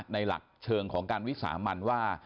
หลักเชิงของการวิสามันว่า